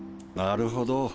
なるほど。